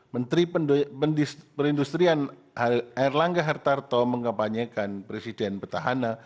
sepuluh menteri perindustrian erlangga hartarto mengepanyakan presiden betahana